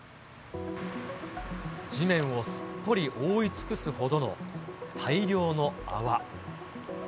地面をすっぽり覆い尽くすほどの大量の泡。